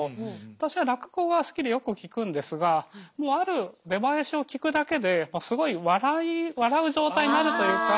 私は落語が好きでよく聴くんですがもうある出囃子を聴くだけですごい笑う状態になるというか。